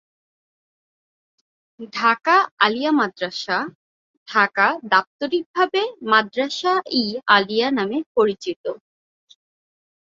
ঢাকা আলিয়া মাদ্রাসা, ঢাকা দাপ্তরিক ভাবে মাদ্রাসা-ই-আলিয়া নামে পরিচিত।